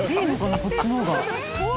こっちの方が。